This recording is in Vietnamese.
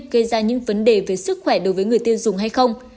gây ra những vấn đề về sức khỏe đối với người tiêu dùng hay không